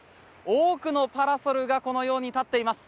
多くのパラソルがこのように立っています。